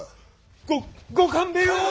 ごご勘弁を！